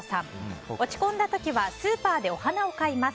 落ち込んだ時はスーパーでお花を買います。